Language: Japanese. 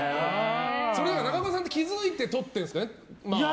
中岡さんって気づいて撮ってるんですかね、恐らく。